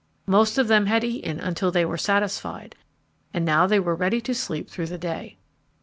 Most of them had eaten until they were satisfied, and now they were ready to sleep through the day.